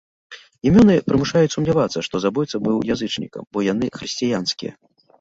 Імёны прымушаюць сумнявацца, што забойца быў язычнікам, бо яны хрысціянскія.